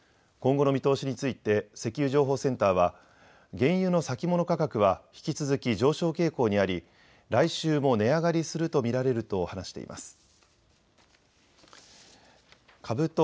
今後の見通しについて、石油情報センターは、原油の先物価格は引き続き上昇傾向にあり、来週も値上がりすると見られると話しています。